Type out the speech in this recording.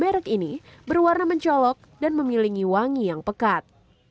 merek ini berwarna mencolok dan memiliki wangi yang pekat